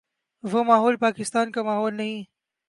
وہ ماحول پاکستان کا ماحول نہیں ہے۔